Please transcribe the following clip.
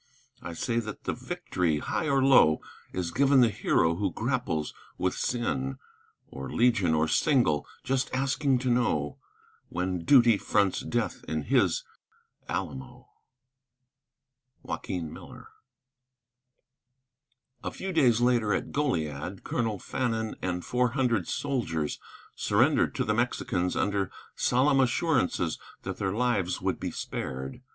I say that the victory, high or low, Is given the hero who grapples with sin, Or legion or single; just asking to know When duty fronts death in his Alamo. JOAQUIN MILLER. A few days later, at Goliad, Colonel Fannin and four hundred soldiers surrendered to the Mexicans under solemn assurances that their lives would be spared.